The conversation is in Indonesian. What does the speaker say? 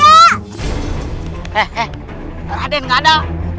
eh eh raden gak ada